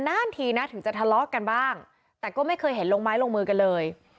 นานทีนะถึงจะทะเลาะกันบ้างแต่ก็ไม่เคยเห็นลงไม้ลงมือกันเลย